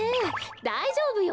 だいじょうぶよ。